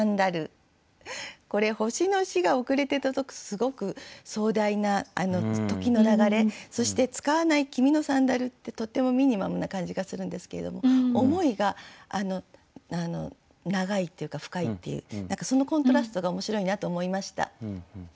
すごく壮大な時の流れそして「使わない君のサンダル」ってとてもミニマムな感じがするんですけれども想いが長いっていうか深いっていうそのコントラストが面白いなと思いました。